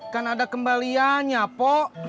kan ada kembaliannya pok